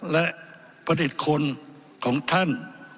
และผลิตคนของท่าน